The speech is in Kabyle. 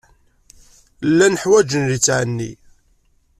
Llan ḥwaǧen litteɛ-nni.